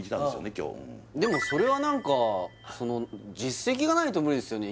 今日でもそれは何か実績がないと無理ですよね